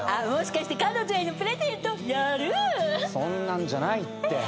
そんなんじゃないって。